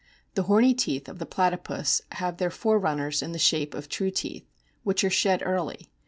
The horny teeth of the Platypus have their forerunners in the shape of true teeth, which are shed early.